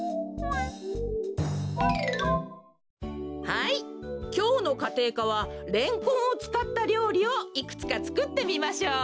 はいきょうのかていかはレンコンをつかったりょうりをいくつかつくってみましょう。